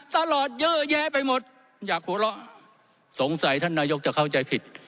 ตลอดเยอะแยะไปหมดอยากหัวเราะสงสัยท่านนายกจะเข้าใจผิด